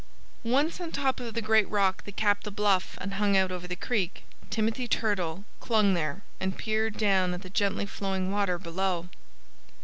Once on top of the great rock that capped the bluff and hung out over the creek, Timothy Turtle clung there and peered down at the gently flowing water below.